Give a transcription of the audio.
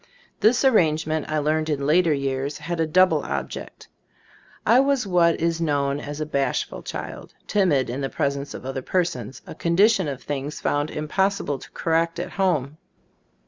This arrangement, I learned in later years, had a double object. I was what is known as a bashful child, timid in the presence of other persons, a condition of things found impossible to correct at home.